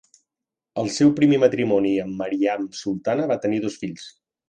El seu primer matrimoni amb Maryam Sultana va tenir dos fills.